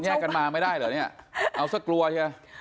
กันมาไม่ได้เหรอเนี่ยเอาซะกลัวใช่ไหม